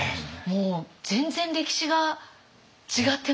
もう全然歴史が違ってましたよね。